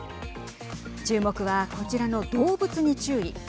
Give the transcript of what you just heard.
注目は、こちらの動物に注意。